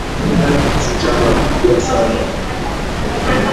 Msichana analia sana